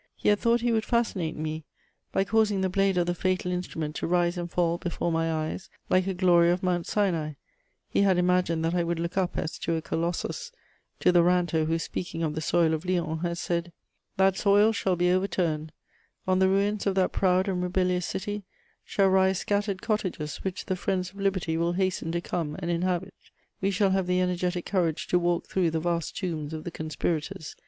He had thought he would fascinate me by causing the blade of the fatal instrument to rise and fall before my eyes, like a glory of Mount Sinai; he had imagined that I would look up, as to a colossus, to the ranter who, speaking of the soil of Lyons, had said: "That soil shall be overturned; on the ruins of that proud and rebellious city shall rise scattered cottages which the friends of liberty will hasten to come and inhabit.... We shall have the energetic courage to walk through the vast tombs of the conspirators....